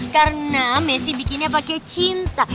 karena messi bikinnya pake cinta